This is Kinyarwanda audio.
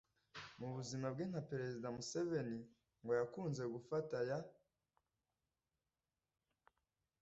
Mu buzima bwe nka Perezida, Museveni ngo yakunze gufata ya